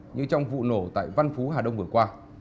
như trong vụ nổ tại văn phú hà đông vừa qua